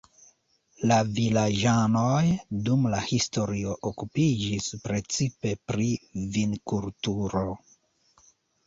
La vilaĝanoj dum la historio okupiĝis precipe pri vinkulturo.